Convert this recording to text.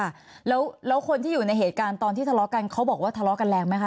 ค่ะแล้วคนที่อยู่ในเหตุการณ์ตอนที่ทะเลาะกันเขาบอกว่าทะเลาะกันแรงไหมค